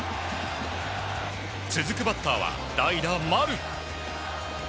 続くバッターは代打、丸。